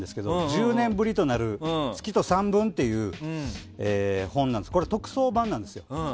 １０年ぶりとなる「月と散文」という本なんですけどこれ、特装版なんですよ。